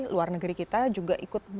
luar negeri kita juga ikut